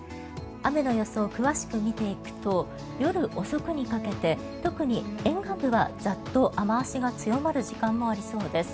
雨の予想を詳しく見ていくと夜遅くにかけて特に沿岸部はザッと雨脚が強まる時間もありそうです。